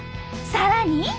さらに。